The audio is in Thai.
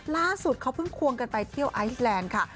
ล่าสุดเขาเพิ่งควงกันไปเที่ยวไอซ์แลนด์ค่ะ